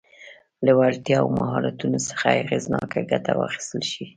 له وړتیاوو او مهارتونو څخه اغېزناکه ګټه واخیستل شي.